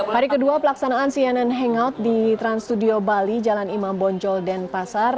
hari kedua pelaksanaan cnn hangout di trans studio bali jalan imam bonjol denpasar